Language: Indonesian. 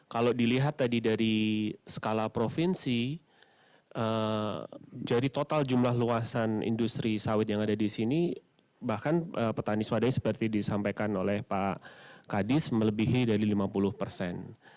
kalau dilihat tadi dari skala provinsi dari total jumlah luasan industri sawit yang ada di sini bahkan petani swadaya seperti disampaikan oleh pak kadis melebihi dari lima puluh persen